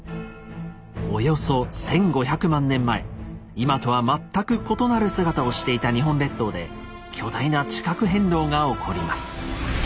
今とは全く異なる姿をしていた日本列島で巨大な地殻変動が起こります。